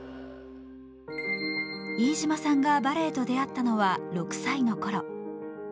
飯島さんがバレエと出会ったのは６歳のころ。